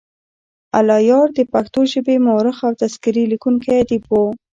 الله یار دپښتو ژبې مؤرخ او تذکرې لیکونی ادیب وو.